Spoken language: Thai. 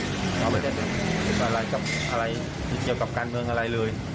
เราไม่ได้มีอะไรกับอะไรเกี่ยวกับการเมืองอะไรเลย